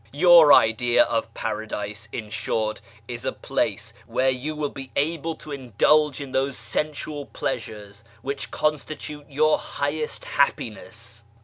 Your idea of paradise, in short, is a place where you will be able to indulge in those sensual pleasures which constitute your higliest happiness.